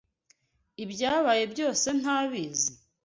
Ibyabaye byose ntabizi?